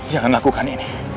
jangan lakukan ini